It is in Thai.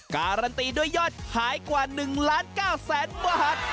การันตีด้วยยอดขายกว่า๑ล้าน๙แสนบาท